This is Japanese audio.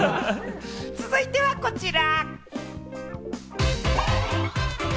続いては、こちら。